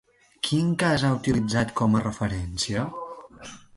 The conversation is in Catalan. Quin cas ha utilitzat com a referència?